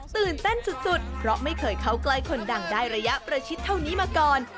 ตื่นเต้นสุดเพราะไม่เคยเข้าใกล้คนดังได้ระยะประชิดเท่านี้มาก่อน